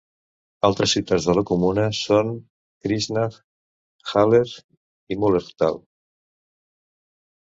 Altres ciutats de la comuna són Christnach, Haller i Mullerthal.